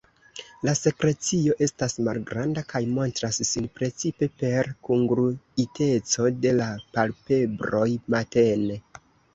La sekrecio estas malgranda kaj montras sin precipe per kungluiteco de la palpebroj matene.